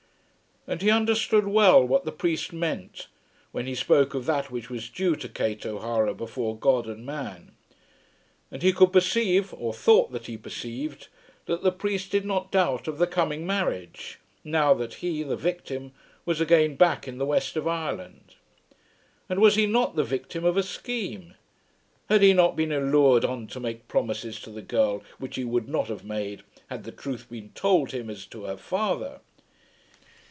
And he understood well what the priest meant when he spoke of that which was due to Kate O'Hara before God and man; and he could perceive, or thought that he perceived, that the priest did not doubt of the coming marriage, now that he, the victim, was again back in the west of Ireland. And was he not the victim of a scheme? Had he not been allured on to make promises to the girl which he would not have made had the truth been told him as to her father?